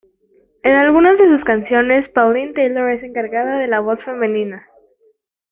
En algunas de sus canciones, Pauline Taylor es encargada de la voz femenina.